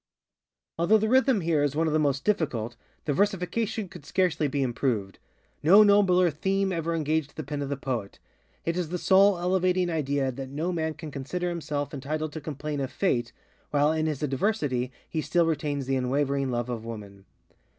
_ Although the rhythm here is one of the most difficult, the versification could scarcely be improved. No nobler _theme _ever engaged the pen of poet. It is the soul elevating idea that no man can consider himself entitled to complain of Fate while in his adversity he still retains the unwavering love of woman.